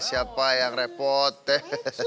siapa yang repot teh